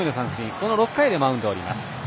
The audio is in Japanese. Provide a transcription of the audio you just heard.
この６回でマウンドを降ります。